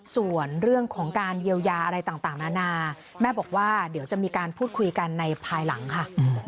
ส่วนเรื่องของการเยียวยาอะไรต่างนานาแม่บอกว่าเดี๋ยวจะมีการพูดคุยกันในภายหลังค่ะ